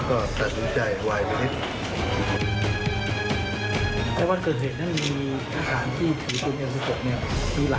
ก็สะดุใจวายไปนิด